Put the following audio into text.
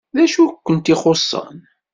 D acu i kent-ixuṣṣen?